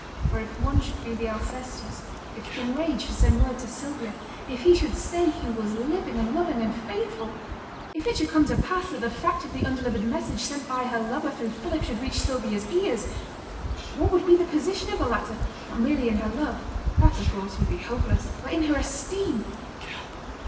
For if one should be the Alcestis; if Kinraid should send word to Sylvia; if he should say he was living, and loving, and faithful; if it should come to pass that the fact of the undelivered message sent by her lover through Philip should reach Sylvia's ears: what would be the position of the latter, not merely in her love that, of course, would be hopeless but in her esteem?